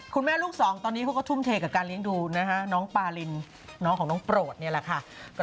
ลูกสองตอนนี้เขาก็ทุ่มเทกับการเลี้ยงดูนะคะน้องปารินน้องของน้องโปรดนี่แหละค่ะ